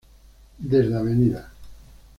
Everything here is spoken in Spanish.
Desde Av.